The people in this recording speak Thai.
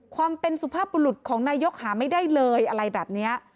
ความเป็นสุภาพบุรุษของนายกหาไม่ได้เลยอะไรแบบนี้